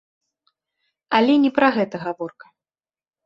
Але не пра гэта гаворка.